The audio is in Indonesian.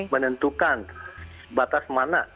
menentukan batas mana